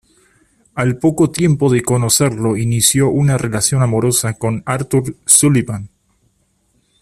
Al poco tiempo de conocerlo inició una relación amorosa con Arthur Sullivan.